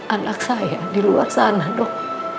anak saya di luar sana dok